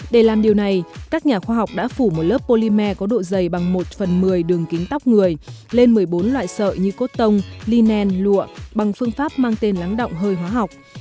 để làm điều này các nhà khoa học đã phủ một lớp polymer có độ dày bằng một phần một mươi đường kính tóc người lên một mươi bốn loại sợi như cốt tông lyen lụa bằng phương pháp mang tên lắng động hơi hóa học